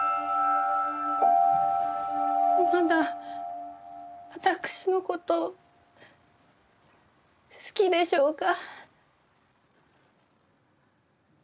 まだ私のことを好きでしょうか？